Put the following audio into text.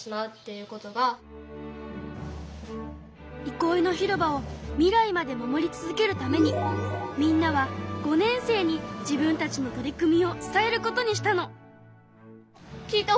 いこいの広場を未来まで守り続けるためにみんなは５年生に自分たちの取り組みを伝えることにしたの。